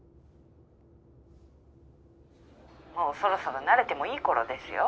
もうそろそろ慣れてもいい頃ですよ。